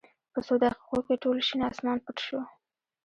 په څو دقېقو کې ټول شین اسمان پټ شو.